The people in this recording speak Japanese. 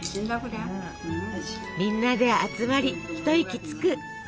みんなで集まり一息つく。